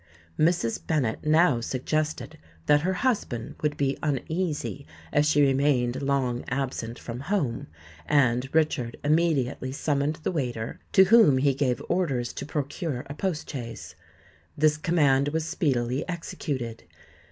Mrs. Bennet now suggested that her husband would be uneasy if she remained long absent from home; and Richard immediately summoned the waiter, to whom he gave orders to procure a post chaise. This command was speedily executed.